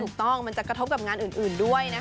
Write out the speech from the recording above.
มันจะกระทบกับงานอื่นด้วยนะคะ